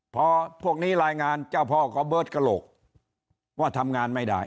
พอพวกนี้รายงานเจ้าพ่อก็เบิร์ตกระโหลกว่าทำงานไม่ได้